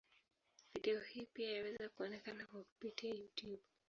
Video hii pia yaweza kuonekana kwa kupitia Youtube.